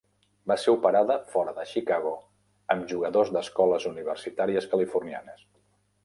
Va ser operada fora de Chicago amb jugadors d'escoles universitàries californianes.